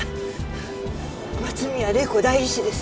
松宮玲子代議士です。